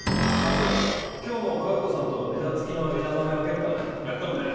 そうだ今日も佳代子さんと枝付きの枝豆分けるからやっかむなよ。